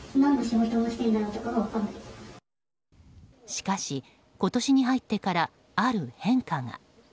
しかし今年に入ってからある変化が。